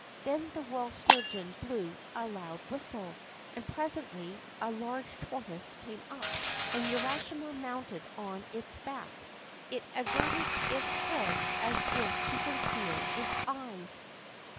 There the royal sturgeon blew a loud whistle, and presently a large tortoise came up. As Urashima mounted on its back, it averted its head as if to conceal its eyes.